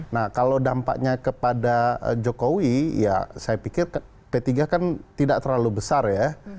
nah kalau dampaknya kepada jokowi ya saya pikir p tiga kan tidak terlalu besar ya